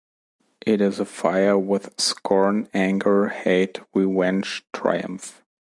It is afire with scorn, anger, hate, revenge, triumph.